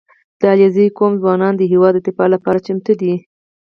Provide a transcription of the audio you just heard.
• د علیزي قوم ځوانان د هېواد د دفاع لپاره چمتو دي.